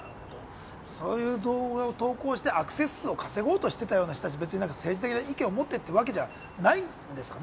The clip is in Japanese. そういう動画を投稿してアクセス数を稼ごうとしていたような人たち、政治的な意見を持ってというわけではないんですかね？